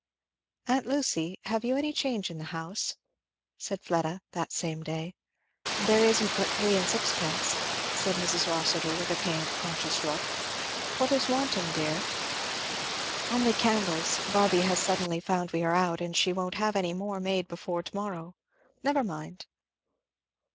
"Aunt Lucy, have you any change in the house?" said Fleda that same day. "There isn't but three and sixpence," said Mrs. Rossitur with a pained conscious look. "What is wanting, dear?" "Only candles Barby has suddenly found we are out, and she won't have any more made before to morrow. Never mind!"